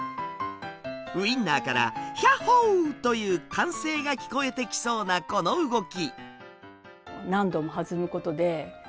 ウインナーから「ひゃっほー」という歓声が聞こえてきそうなこの動き。